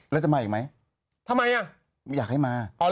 แล้วจะมาอีกไหม